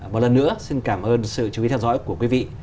một lần nữa xin cảm ơn sự chú ý theo dõi của quý vị